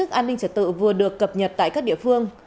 an ninh trật tự vừa được cập nhật tại các địa phương